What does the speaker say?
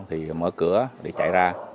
mình đập cửa để chạy ra